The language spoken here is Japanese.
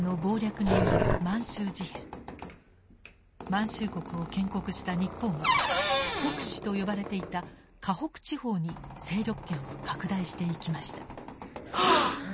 満州国を建国した日本は北支と呼ばれていた華北地方に勢力圏を拡大していきました。